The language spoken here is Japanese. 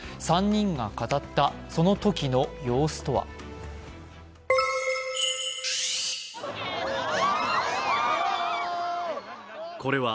３人が語った、そのときの様子とは。